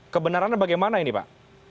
kebenarannya bagaimana ini pak